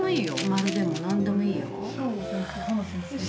丸でも何でもいいよ。